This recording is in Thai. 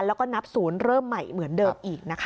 แล้วก็นับศูนย์เริ่มใหม่เหมือนเดิมอีกนะคะ